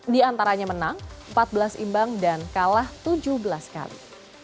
di antaranya menang empat belas imbang dan kalah tujuh belas kali